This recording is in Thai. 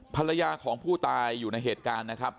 ภรรยาของผู้ตายอยู่ในเหตุการณ์นะครับ